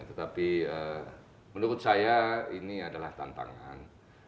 tetapi menurut saya ini adalah tantangan